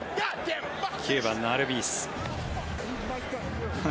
９番、アルビーズ。